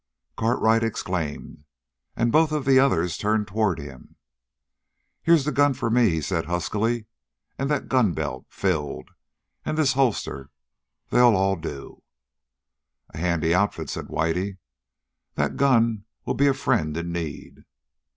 Cartwright exclaimed, and both of the others turned toward him. "Here's the gun for me," he said huskily, "and that gun belt filled and this holster. They'll all do." "And a handy outfit," said Whitey. "That gun'll be a friend in need!"